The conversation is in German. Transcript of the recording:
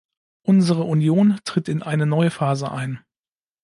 Unsere Union tritt in eine neue Phase ein.